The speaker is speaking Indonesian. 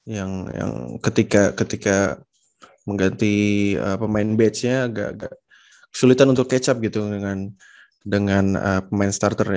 yang ketika mengganti pemain batch nya agak agak kesulitan untuk catch up gitu dengan pemain starternya